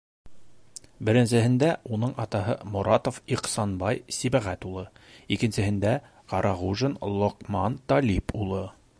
Беренсеһендә уның атаһы - Моратов Ихсанбай Сибәғәт улы, икенсеһендә - Ҡарағужин Лоҡман Талип улы.